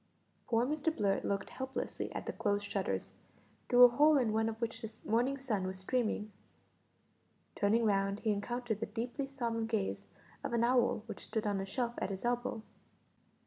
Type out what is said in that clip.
Poor Mr Blurt looked helplessly at the closed shutters, through a hole in one of which the morning sun was streaming. Turning round he encountered the deeply solemn gaze of an owl which stood on a shelf at his elbow.